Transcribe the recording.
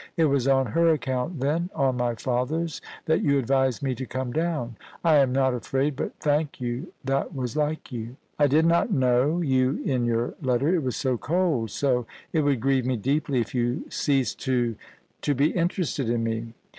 It was on her account, then — on my father's — that you advised me to come down. I am not afi'aid, but thank you — that was like you. I did not know 134 POLICY AND PASSION. you in your letter ; it was so cold, so ... It would grieve me deeply if you ceased to — to be interested in me.'